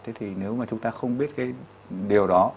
thế thì nếu mà chúng ta không biết cái điều đó